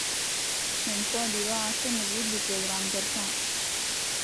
ہندکو ادیباں آسطے مزید بھی پروگرام کرساں۔